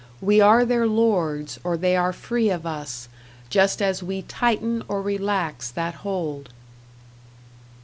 We are their lords, or they are free of us, Just as we tighten or relax that hold.